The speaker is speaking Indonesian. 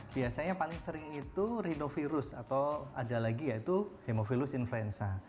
biasanya yang paling sering itu rinovirus atau ada lagi yaitu hemofilus influenza